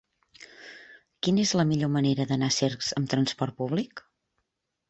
Quina és la millor manera d'anar a Cercs amb trasport públic?